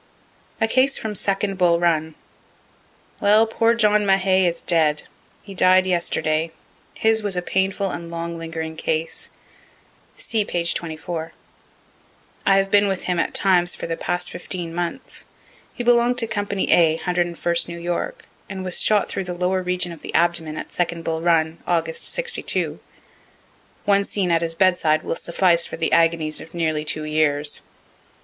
A CASE FROM SECOND BULL RUN Well, Poor John Mahay is dead. He died yesterday. His was a painful and long lingering case (see p. 24 ante.) I have been with him at times for the past fifteen months. He belonged to company A, 101st New York, and was shot through the lower region of the abdomen at second Bull Run, August, '62. One scene at his bedside will suffice for the agonies of nearly two years.